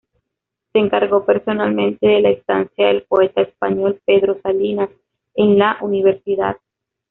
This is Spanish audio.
Se encargó personalmente de la estancia del poeta español Pedro Salinas en la Universidad.